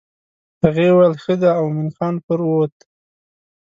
هغې وویل ښه دی او مومن خان پر ووت.